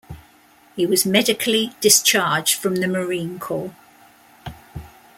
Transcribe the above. He was medically discharged from the Marine Corps.